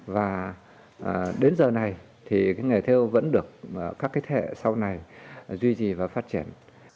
và đến giờ này thì cái nghề theo vẫn được các cái thế hệ sau này duy trì và phát triển